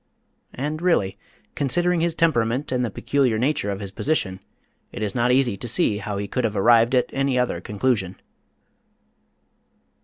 And really, considering his temperament and the peculiar nature of his position, it is not easy to see how he could have arrived at any other conclusion.